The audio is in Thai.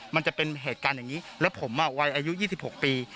มันจะเป็นเหตุการณ์อย่างนี้แล้วผมวัยอายุ๒๖ปี